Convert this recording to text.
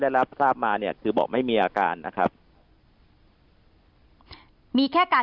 ได้รับทราบมาเนี่ยคือบอกไม่มีอาการนะครับมีแค่การ